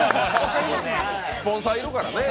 スポンサーいるからね。